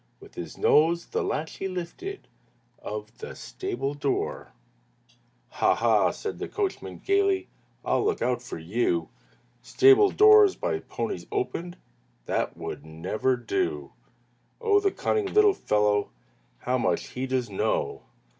With his nose the latch he lifted Of the stable door. "Ha, ha!" said the coachman, gayly, "I'll look out for you! Stable doors by ponies opened? That would never do!" "Oh! the cunning little fellow! How much he does know!"